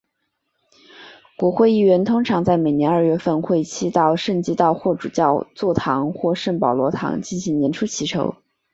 国会议员通常在每年二月份会期到圣基道霍主教座堂或圣保罗堂进行年初祈祷。